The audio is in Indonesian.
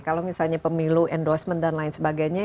kalau misalnya pemilu endorsement dan lain sebagainya